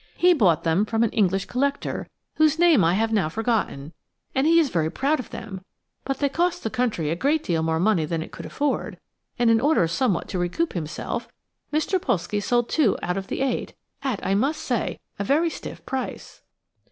He bought them from an English collector whose name I have now forgotten, and he is very proud of them, but they cost the country a great deal more money than it could afford, and in order somewhat to recoup himself Mr. Pulszky sold two out of the eight at, I must say, a very stiff price."